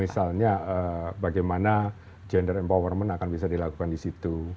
misalnya bagaimana gender empowerment akan bisa dilakukan di situ